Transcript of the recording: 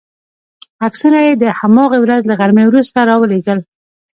عکسونه یې د هماغې ورځې له غرمې وروسته را ولېږل.